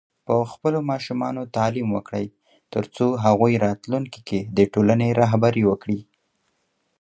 په خپلو ماشومانو تعليم وکړئ، ترڅو هغوی راتلونکي کې د ټولنې رهبري وکړي.